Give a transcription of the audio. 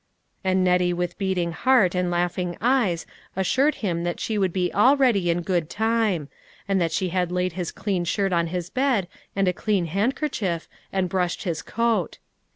" And Nettie with beating heart and laughing eyes assured him that she would be all ready in good time, and that she had laid his clean shirt on his bed, and a clean handkerchief, and brushed his coat.